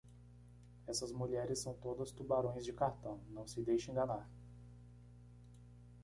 Essas mulheres são todas tubarões de cartão, não se deixe enganar.